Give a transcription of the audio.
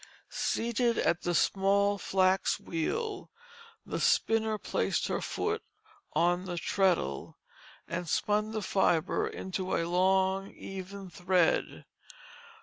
Seated at the small flax wheel, the spinner placed her foot on the treadle, and spun the fibre into a long, even thread.